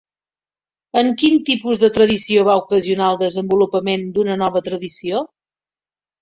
En quin tipus de tradició va ocasionar el desenvolupament d'una nova tradició?